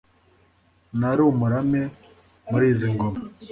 Nari umurame muri izi ngoma